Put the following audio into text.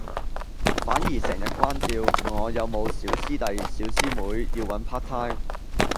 反而成日關照我有冇小師弟小師妹要搵 Part Time